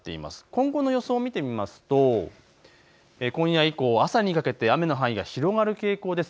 今後の予想を見てみますと今夜以降、朝にかけて雨の範囲が広がる傾向です。